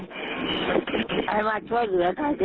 ให้มาเด๋ย